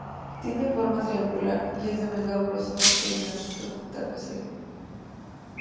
Tiene forma triangular y es de menor grosor que el ligamento trapezoide.